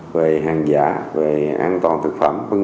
về hàng giả về an toàn thực phẩm